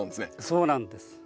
そうなんです。